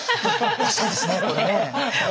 出したいですねこれね。